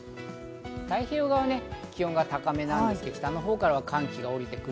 太平洋側は気温が高めなんですけど、北の方から寒気がおりてくる。